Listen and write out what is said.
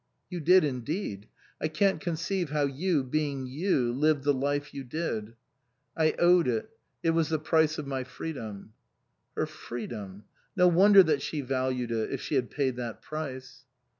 " You did indeed. I can't conceive how you, being you, lived the life you did "" I owed it. It was the price of my freedom." Her freedom ! No wonder that she valued it, if she had paid that price